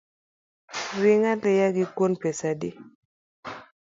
Ring aliya gi kuon pesa adi?